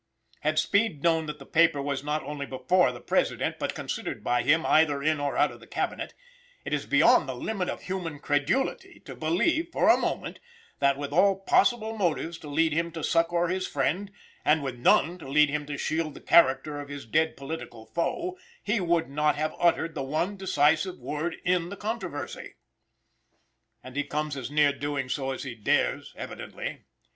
Had Speed known that the paper was, not only "before" the President, but considered by him, either in or out of the Cabinet, it is beyond the limit of human credulity to believe, for a moment, that, with all possible motives to lead him to succor his friend, and with none to lead him to shield the character of his dead political foe, he would not have uttered the one decisive word in the controversy. And he comes as near doing so as he dares, evidently.